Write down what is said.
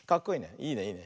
いいねいいね。